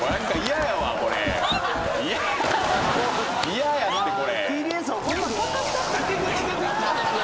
「嫌やってこれ！」